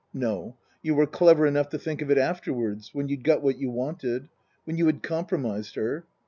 "No. You were clever enough to think of it afterwards when you'd got what you wanted. When you had compromised her."